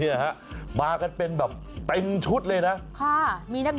ที่ห่างเครื่องจิ๋วก็มานะครับคุณ